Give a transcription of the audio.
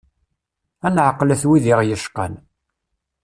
Ad neɛqlet wid i ɣ-yecqan.